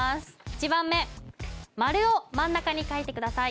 １番目まるを真ん中に描いてください